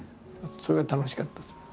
それが楽しかったですね。